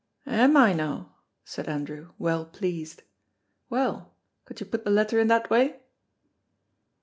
"Am I no!" said Andrew, well pleased. "Well, could you put the letter in that wy?"